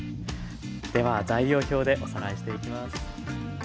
では材料表でおさらいしていきます。